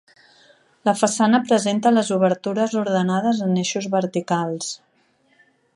La façana presenta les obertures ordenades en eixos verticals.